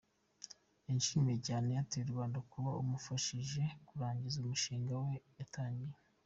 Yashimiye cyane Airtel Rwanda kuba imufashije kurangiza umushinga we yatangiye.